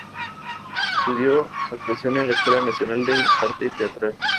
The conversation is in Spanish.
Estudió actuación en la Escuela Nacional de Arte Teatral.